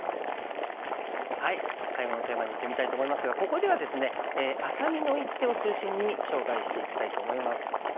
最後のテーマにいってみたいと思いますがここではですねあさみの一手を中心に紹介していきたいと思います。